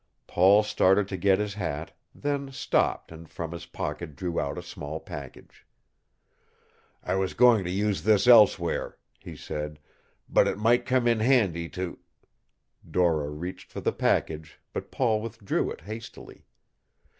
Paul started to get his hat, then stopped and from his pocket drew out a small package. "I was going to use this elsewhere," he said, "but it might come in handy to " Dora reached for the package, but Paul withdrew it hastily.